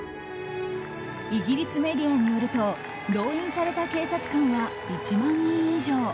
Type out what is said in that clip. イギリスメディアによると動員された警察官は１万人以上。